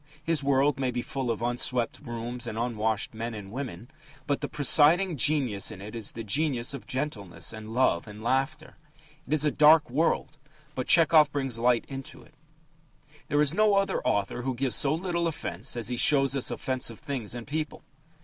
His world may be full of unswept rooms and unwashed men and women, but the presiding genius in it is the genius of gentleness and love and laughter. It is a dark world, but Tchehov brings light into it. There is no other author who gives so little offence as he shows us offensive things and people.